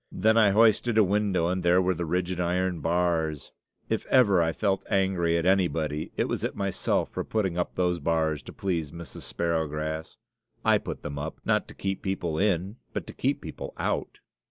Then I hoisted a window, and there were the rigid iron bars. If ever I felt angry at anybody it was at myself for putting up those bars to please Mrs. Sparrowgrass. I put them up, not to keep people in, but to keep people out.